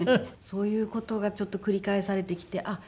そういう事がちょっと繰り返されてきてあっ